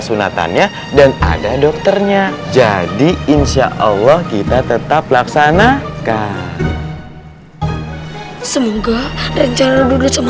sunatannya dan ada dokternya jadi insyaallah kita tetap laksanakan semoga rencana duduk semua